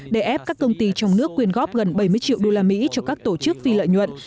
để ép các công ty trong nước quyên góp gần bảy mươi triệu đô la mỹ cho các tổ chức phi lợi nhuận